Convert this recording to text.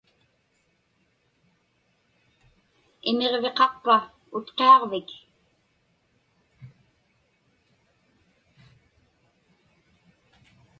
Imiġviqaqpa Utqiaġvik?